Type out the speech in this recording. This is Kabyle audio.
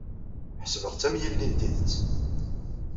Ḥesbeɣ-tt am yelli n tidet.